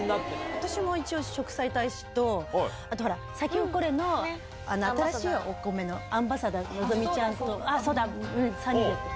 私も一応食彩大使と、あと、サキホコレの新しいお米のアンバサダー、希ちゃんと、３人で。